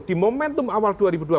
di momentum awal dua ribu dua puluh